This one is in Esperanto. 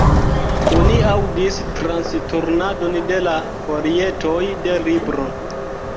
Oni aŭdis transturnadon de la folietoj de libro.